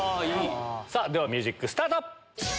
さぁミュージックスタート！